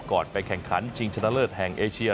ไปแข่งขันชิงชนะเลิศแห่งเอเชีย